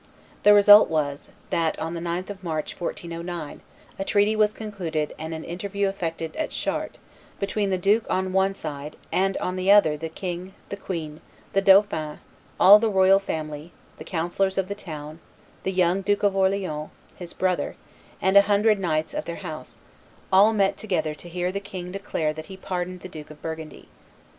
The result was, that on the 9th of March, 1409, a treaty was concluded and an interview effected at Chartres between the duke on one side and on the other the king, the queen, the dauphin, all the royal family, the councillors of the crown, the young Duke of Orleans, his brother, and a hundred knights of their house, all met together to hear the king declare that he pardoned the Duke of Burgundy.